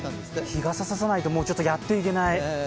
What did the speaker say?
日傘ささないとちょっとやっていけない。